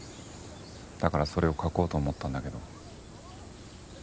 だからそれを描こうと思ったんだけど。